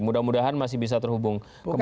mudah mudahan masih bisa terhubung kembali